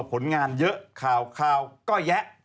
ผลงานเยอะข่าวก็แยะ